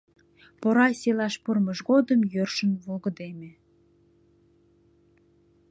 Порай селаш пурымыж годым йӧршын волгыдеме.